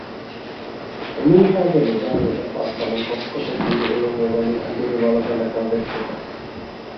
އެމީހާގެ ނުބައި ނުލަފާކަމުން ކޮއްކޮގެ ދިރިއުޅުން އެވަނީ އަނދިރި ވަޅުގަނޑަކަށް ވެއްޓިފަ